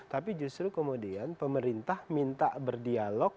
tapi justru kemudian pemerintah minta berdialog